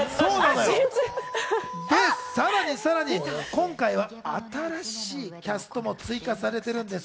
で、さらにさらに今回は新しいキャストも追加されてるんです。